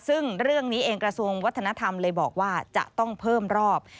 ซึ่งเรื่องนี้เองกระทรวงวัฒนธรรมเลยบอกว่าจะต้องเพิ่มรอบ